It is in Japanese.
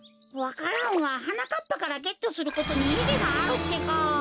わか蘭ははなかっぱからゲットすることにいぎがあるってか。